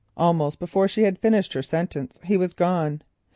Almost before she had finished her sentence he was gone.